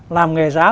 làm nghề giáo